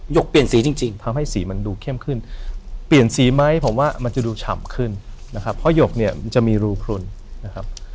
กเปลี่ยนสีจริงทำให้สีมันดูเข้มขึ้นเปลี่ยนสีไหมผมว่ามันจะดูฉ่ำขึ้นนะครับเพราะหยกเนี่ยมันจะมีรูพลุนนะครับ